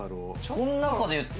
この中で言ったら。